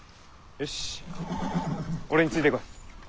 よし俺についてこい。